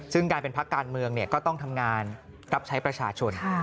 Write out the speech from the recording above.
ซึ่งการเป็นพักการเมืองก็ต้องทำงานรับใช้ประชาชน